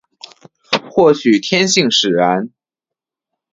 或许天性使然